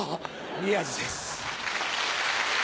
宮治です。